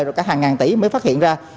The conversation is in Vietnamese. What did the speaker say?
rồi cả hàng ngàn tỷ mới phát hiện ra